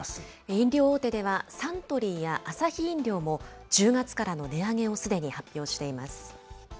飲料大手ではサントリーやアサヒ飲料も、１０月からの値上げをすでに発表しています。